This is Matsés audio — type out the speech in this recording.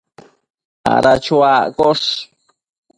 ada chuaccosh